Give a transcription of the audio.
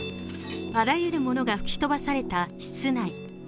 あらゆるものが吹き飛ばされた室内。